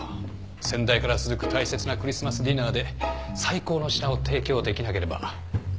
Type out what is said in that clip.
先代から続く大切なクリスマスディナーで最高の品を提供できなければ店を開けるべきではない。